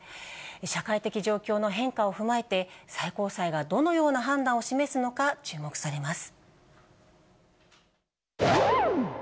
社会的状況の変化を踏まえて、最高裁がどのような判断を示すのか注目されます。